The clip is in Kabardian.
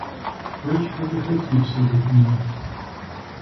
Фэр щхьэкӀэ хэт зи псэр зытынур?